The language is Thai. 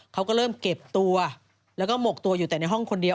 เขาก็เริ่มเก็บตัวแล้วก็หมกตัวอยู่แต่ในห้องคนเดียว